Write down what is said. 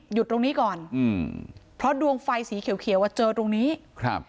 ตรงนี้ก่อนอืมเพราะดวงไฟสีเขียวเขียวอ่ะเจอตรงนี้ครับ